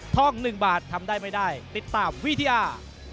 ท่อง๑บาททำได้ไม่ได้ติดตามวิทยา